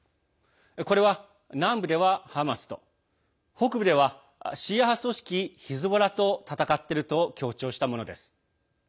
これは南部ではハマスと北部ではシーア派組織ヒズボラと戦っていると強調したものです。